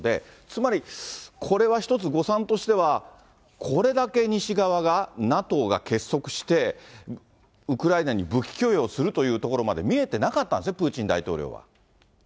つまりこれは一つ誤算としては、これだけ西側が、ＮＡＴＯが結束して、ウクライナに武器供与をするというところまで見えてなかったんですね、プーチン大統領は。